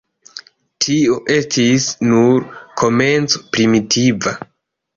Tio estis nur komenco primitiva.